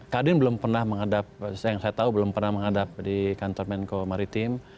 kadin belum pernah menghadap yang saya tahu belum pernah menghadap di kantor menko maritim